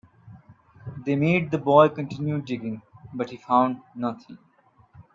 They made the boy continue digging, but he found nothing.